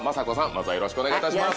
まずはよろしくお願いいたします。